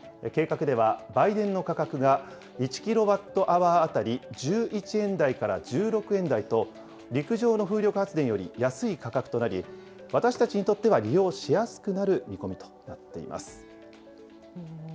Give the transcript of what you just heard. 計画では売電の価格が１キロワットアワー当たり１１円台から１６円台と、陸上の風力発電より安い価格となり、私たちにとっては利用しやすくなる見込みとなっています。